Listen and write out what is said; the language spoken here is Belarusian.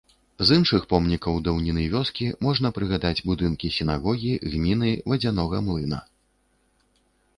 З іншых помнікаў даўніны вёскі можна прыгадаць будынкі сінагогі, гміны, вадзянога млына.